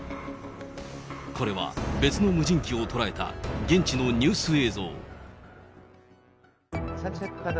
これは別の無人機を捉えた現地のニュース映像。